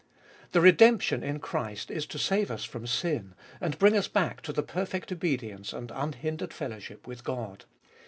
The redemption in Christ is to save us from sin, and bring us back to the perfect obedience and unhindered fellowship with God.